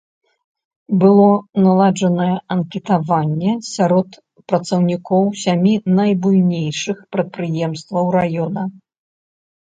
Было наладжанае анкетаванне сярод працаўнікоў сямі найбуйнейшых прадпрыемстваў раёна.